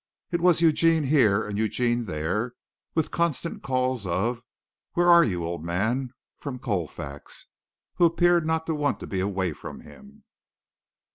It was Eugene here and Eugene there, with constant calls of "where are you, old man?" from Colfax, who appeared not to want to be away from him.